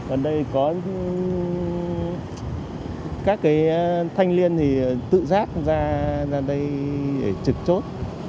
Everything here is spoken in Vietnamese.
ở đây có các cái thanh liên thì tự rác ra đây để trực chốt